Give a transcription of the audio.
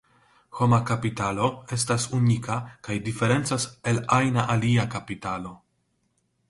Homa kapitalo estas unika kaj diferencas el ajna alia kapitalo.